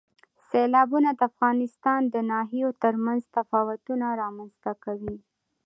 سیلابونه د افغانستان د ناحیو ترمنځ تفاوتونه رامنځ ته کوي.